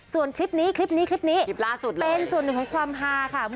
ส่วนคลิปนี้คลิปนี้คลิปนี้เป็นส่วนหนึ่งของความฮาค่ะ